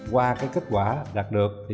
qua kết quả đạt được